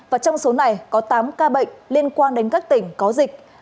và trong số này có tám ca bệnh liên quan đến các tỉnh có dịch